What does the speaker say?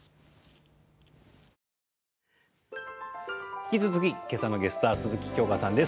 引き続きけさのゲストは鈴木京香さんです。